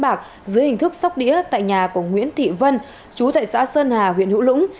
bạc dưới hình thức sóc đĩa tại nhà của nguyễn thị vân chú tại xã sơn hà huyện hữu lũng